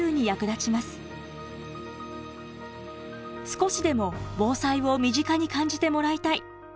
少しでも防災を身近に感じてもらいたい。